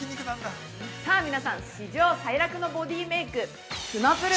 さあ皆さん、史上最楽のボディーメイク・つまぷる。